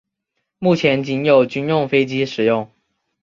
目前仅有军用飞机使用。